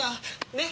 ねっ？